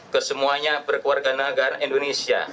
kesemuanya berkeluarga negara indonesia